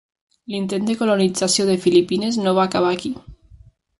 L'intent de colonització de Filipines no va acabar aquí.